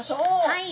はい。